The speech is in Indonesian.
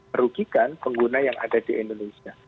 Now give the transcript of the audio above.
ini adalah satu insiden yang merugikan pengguna yang ada di indonesia